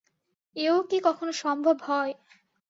এও কি কখনো সম্ভব হয়।